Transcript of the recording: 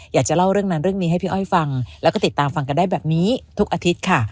อยากจะเล่าเรื่องนั้นเรื่องนี้ให้พี่อ้อยฟังแล้วก็ติดตามฟังกันได้แบบนี้ทุกอาทิตย์ค่ะ